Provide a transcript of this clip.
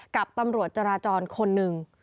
กับตำรวจจราจรคนหนึ่ง